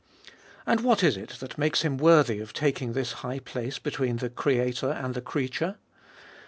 And what is it that makes Him worthy of taking this high place between the Creator and the creature